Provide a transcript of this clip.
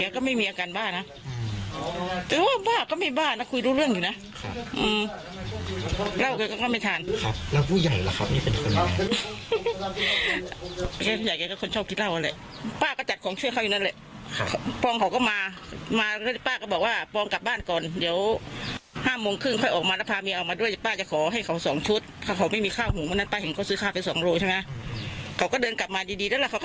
ก็บ้าก็ไม่บ้านะคุยรู้เรื่องอยู่น่ะค่ะอืมเล่าเลยก็ไม่ทานครับแล้วผู้ใหญ่ล่ะครับนี่เป็นคนยังไงใหญ่ก็คนชอบที่เล่าอะไรป้าก็จัดของเชื่อเขาอยู่นั่นแหละครับพองเขาก็มามาแล้วป้าก็บอกว่าพองกลับบ้านก่อนเดี๋ยวห้ามโมงครึ่งค่อยออกมาแล้วพาเมียออกมาด้วยป้าจะขอให้เขาสองชุดถ้าเขาไม่มีข้าว